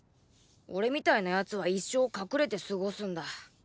俺みたいな奴は一生隠れて過ごすんだ。